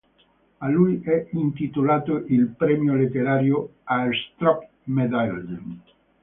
A lui è intitolato il premio letterario Aarestrup-medaljen.